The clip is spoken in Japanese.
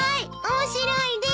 面白いです。